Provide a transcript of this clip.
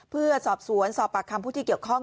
เพื่อสอบสวนสอบปากคำผู้ที่เกี่ยวข้อง